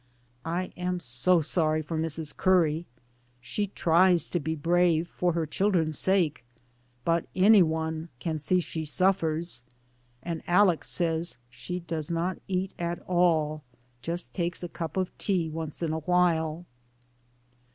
I am so sorry for Mrs. Curry. She tries to be brave for her children's sake, but any one can see she suffers, and Alex says she does not eat at all, just takes a cup of tea once in a while.